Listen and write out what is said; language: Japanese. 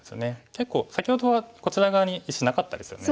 結構先ほどはこちら側に石なかったですよね。